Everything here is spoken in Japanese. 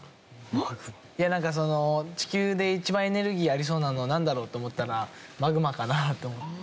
なんかその地球で一番エネルギーがありそうなのはなんだろう？と思ったらマグマかなと思って。